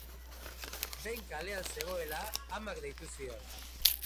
Behin kalean zegoela, amak deitu zion.